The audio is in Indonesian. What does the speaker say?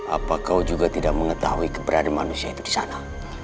apa kau juga tidak mengetahui keberadaan manusia itu disana